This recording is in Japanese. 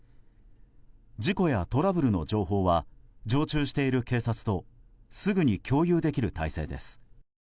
事故やトラブルの情報は常駐している警察とすぐに共有できる体制です。